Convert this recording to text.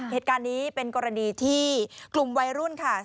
เหตุการณ์นี้เป็นกรณีที่กลุ่มวัยรุ่นค่ะ